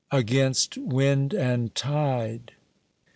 AGAINST WIND AND TIDE.